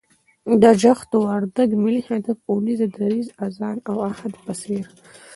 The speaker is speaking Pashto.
د جغتو، وردگ، ملي هدف اونيزه، دريځ، آذان او عهد په څېر